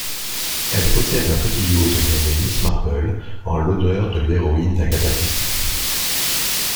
Elle possède un petit yacht nommé Miss Marple en l'honneur de l'héroïne d'Agatha Christie.